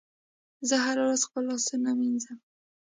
زه هره ورځ خپل لاسونه مینځم.